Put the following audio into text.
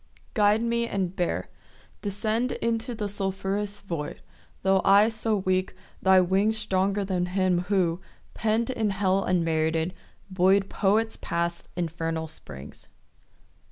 Guide me and bear. Descend Into the sulphurous void— Tho' I so weak, thy wings Stronger than him who, pen'd In hell unmerited, buoy'd Poets past infernal springs.